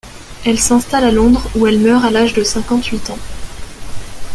Elle s'installe à Londres, où elle meurt à l'âge de cinquante-huit ans.